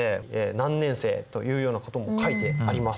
何年生というようなことも書いてあります。